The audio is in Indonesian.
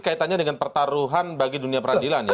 kaitannya dengan pertaruhan bagi dunia peradilan ya